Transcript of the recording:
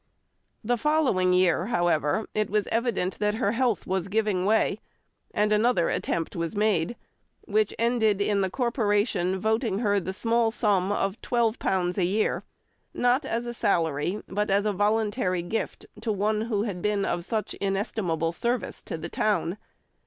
The following year, however, it was evident that her health was giving way, and another attempt was made, which ended in the Corporation voting her the small sum of £12 a year, not as a salary, but as a voluntary gift to one who had been of such inestimable service to the town.